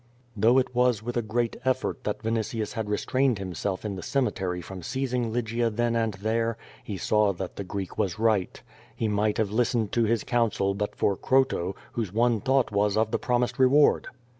Though it was with a great effort that Vinitius had re strained himself in the cemetery from seizing Lygia then and there, he saw that the Greek was right. He might have listened to his counsel but for Croto, whose one thought was of the promised reward.